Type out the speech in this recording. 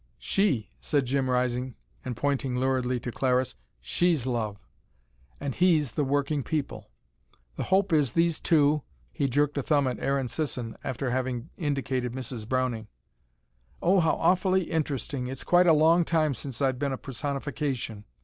"She!" said Jim, rising and pointing luridly to Clariss. "She's Love. And HE's the Working People. The hope is these two " He jerked a thumb at Aaron Sisson, after having indicated Mrs. Browning. "Oh, how awfully interesting. It's quite a long time since I've been a personification.